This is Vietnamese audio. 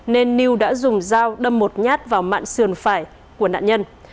nên lưu đã dùng dao đâm một nhát vào mạng sườn phải của nạn nhân